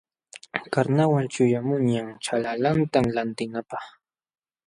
Karnawal ćhayaqmunñam ćhanlalanta lantinapaq.